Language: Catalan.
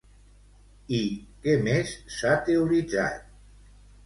I què més s'ha teoritzat?